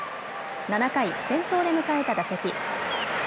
７回、先頭で迎えた打席。